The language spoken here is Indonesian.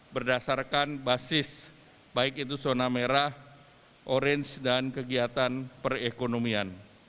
berdasarkan basis baik itu zona merah orange dan kegiatan perekonomian